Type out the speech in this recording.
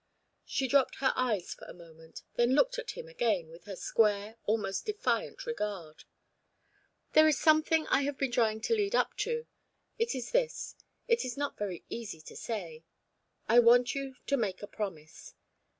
She dropped her eyes for a moment, then looked at him again with her square, almost defiant regard. "There is something I have been trying to lead up to. It is this it is not very easy to say I want you to make a promise.